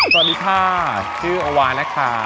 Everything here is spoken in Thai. สวัสดีค่ะชื่ออวานะคะ